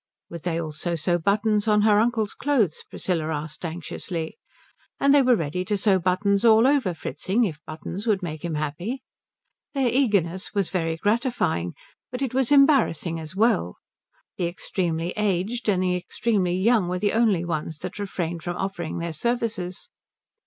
Would they also sew buttons on her uncle's clothes? Priscilla asked anxiously. And they were ready to sew buttons all over Fritzing if buttons would make him happy. This eagerness was very gratifying, but it was embarrassing as well. The extremely aged and the extremely young were the only ones that refrained from offering their services.